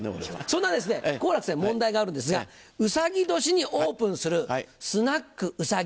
そんな好楽さんに問題があるんですが「うさぎ年にオープンするスナックうさぎ